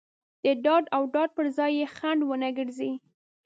د داد او ډاډ پر ځای یې خنډ ونه ګرځي.